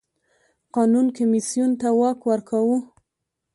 قانون کمېسیون ته واک ورکاوه.